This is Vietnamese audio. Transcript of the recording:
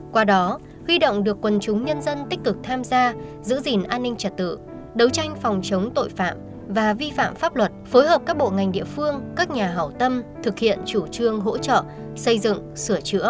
qua đó huy động được quần chúng nhân dân tích cực tham gia giữ gìn an ninh trật tự đấu tranh phòng chống tội phạm và vi phạm pháp luật phối hợp các bộ ngành địa phương các nhà hảo tâm thực hiện chủ trương hỗ trợ xây dựng sửa chữa